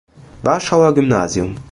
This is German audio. Warschauer Gymnasium.